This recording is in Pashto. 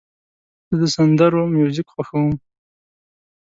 زه د سندرو میوزیک خوښوم.